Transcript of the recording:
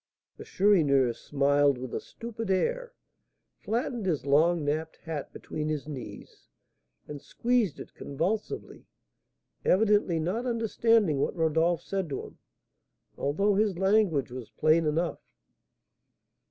The Chourineur smiled with a stupid air, flattened his long napped hat between his knees, and squeezed it convulsively, evidently not understanding what Rodolph said to him, although his language was plain enough.